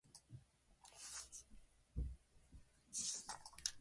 長野県岡谷市